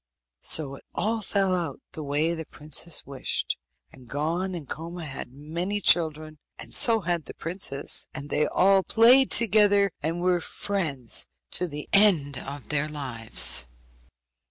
So it all fell out as the princess wished; and Gon and Koma had many children, and so had the princess, and they all played together, and were friends to the end of their lives.